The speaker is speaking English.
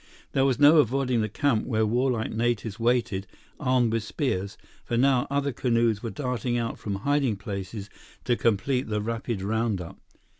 There was no avoiding the camp where warlike natives waited, armed with spears, for now other canoes were darting out from hiding places to complete the rapid roundup.